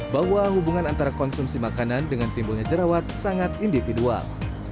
bahwa hubungan antara konsumsi makanan dengan timbulnya jerawat sangat individual